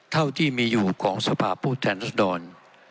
เท่าที่มีอยู่ของสภาพผู้แทนรัศดร